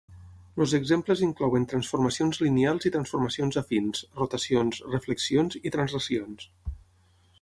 Els exemples inclouen transformacions lineals i transformacions afins, rotacions, reflexions i translacions.